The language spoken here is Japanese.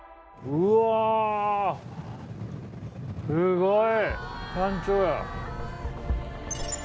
うわすごっ！